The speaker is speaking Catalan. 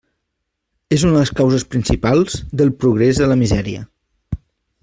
És una de les causes principals del «progrés de la misèria».